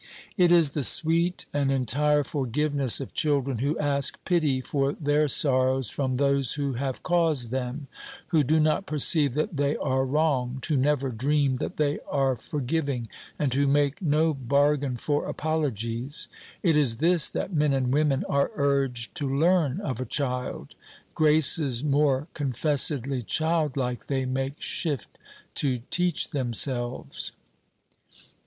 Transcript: It is the sweet and entire forgiveness of children, who ask pity for their sorrows from those who have caused them, who do not perceive that they are wronged, who never dream that they are forgiving, and who make no bargain for apologies it is this that men and women are urged to learn of a child. Graces more confessedly childlike they make shift to teach themselves.